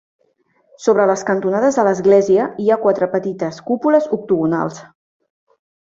Sobre les cantonades de l'església hi ha quatre petites cúpules octogonals.